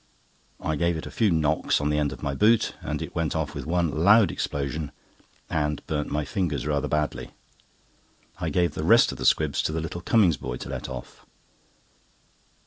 I gave it a few knocks on the end of my boot, and it went off with one loud explosion, and burnt my fingers rather badly. I gave the rest of the squibs to the little Cummings' boy to let off.